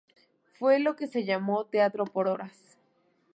Fue lo que se llamó teatro por horas.